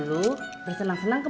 mungkin saja sekarang kita capek